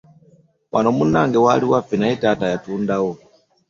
Wano munnange waali waffe naye taata yatundawo.